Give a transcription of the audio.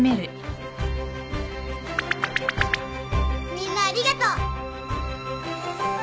みんなありがとう。